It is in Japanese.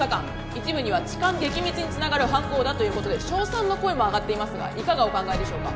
一部には痴漢撃滅につながる犯行だということで称賛の声も上がっていますがいかがお考えでしょうか